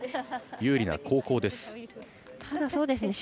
有利な後攻です。